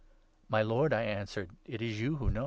' My Lord,' I answered, ' it is you who know.'